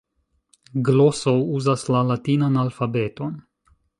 Gloso uzas la latinan alfabeton.